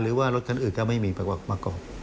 หรือว่ารถคันอื่นจะไม่มีประกอบ